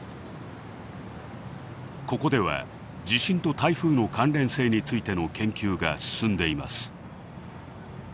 ここでは地震と台風の関連性についての研究が進んでいます。